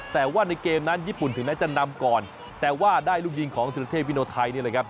แต่ว่าในเกมนั้นญี่ปุ่นถึงแม้จะนำก่อนแต่ว่าได้ลูกยิงของธิรเทพวิโนไทยนี่แหละครับ